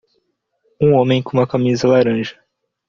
Um homem com uma camisa laranja.